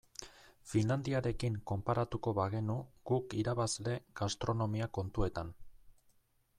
Finlandiarekin konparatuko bagenu guk irabazle gastronomia kontuetan.